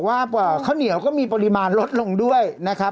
ว่าข้าวเหนียวก็มีปริมาณลดลงด้วยนะครับ